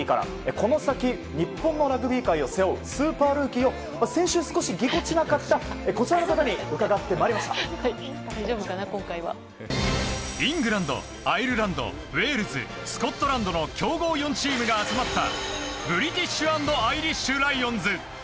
この先日本のラグビー界を背負うスーパールーキーを先週、少しぎこちなかったイングランド、アイルランドウェールズ、スコットランドの強豪４チームが集まったブリティッシュ＆アイリッシュ・ライオンズ。